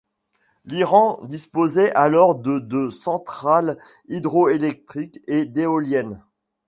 L'Iran disposait alors de de centrales hydroélectriques et d'éoliennes.